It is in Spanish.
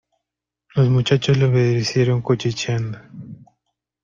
Los muchachos le obedecieron cuchicheando.